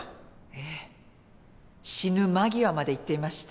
ええ死ぬ間際まで言っていました。